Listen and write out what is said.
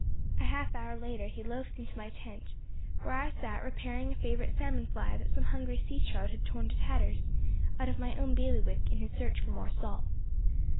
A half hour later he loafed into my tent, where I sat repairing a favorite salmon fly that some hungry sea trout had torn to tatters, and drove me unceremoniously out of my own bailiwick in his search for more salt.